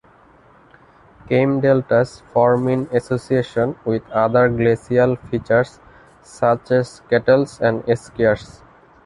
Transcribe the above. Kame deltas form in association with other glacial features such as, kettles and eskers.